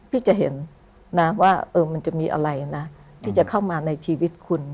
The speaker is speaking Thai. พี่จะเห็นนะว่ามันจะมีอะไรนะที่จะเข้ามาในชีวิตคุณ